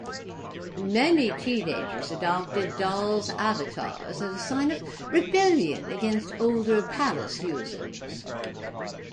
Many teenagers adopted dollz avatars as a sign of rebellion against older Palace users.